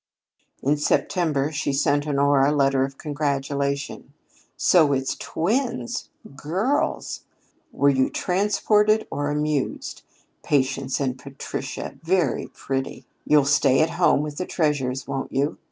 In September she sent Honora a letter of congratulation. "So it's twins! Girls! Were you transported or amused? Patience and Patricia very pretty. You'll stay at home with the treasures, won't you?